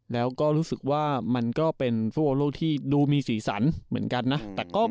แล้วก็รู้สึกว่ามันก็เป็นฟุตบอลโลกที่ดูมีสีสันเหมือนกันนะ